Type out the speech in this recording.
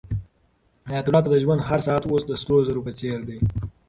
حیات الله ته د ژوند هر ساعت اوس د سرو زرو په څېر دی.